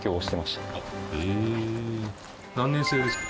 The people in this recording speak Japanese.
何年制ですか？